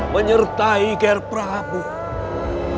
menyertai ger prabowo